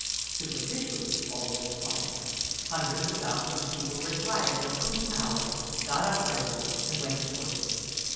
Superficially all was quiet; hundreds of thousands of people retired at a prudent hour, got up early, and went to work.